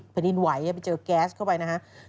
แผ่นดินไหวไปเจอแก๊สเข้าไปนะครับ